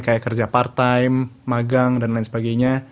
kayak kerja part time magang dan lain sebagainya